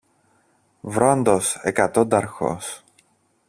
Βρόντος, εκατόνταρχος.